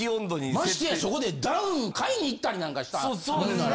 ましてやそこでダウン買いに行ったりなんかしたもんなら。